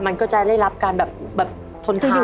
มันก็จะได้รับการแบบทนขาด